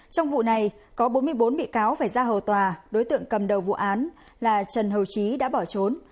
trong vụ này có bốn mươi bốn bị cáo phải ra hầu tòa đối tượng cầm đầu vụ án là trần hầu trí đã bỏ trốn